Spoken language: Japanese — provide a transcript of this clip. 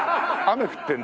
雨降ってる。